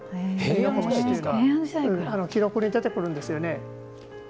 亥子餅というのは記録に出てくるんですよね。